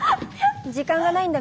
時間がないんだ